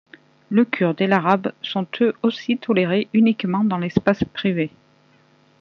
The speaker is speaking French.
Le kurde et l'arabe sont eux aussi tolérés uniquement dans l'espace privé.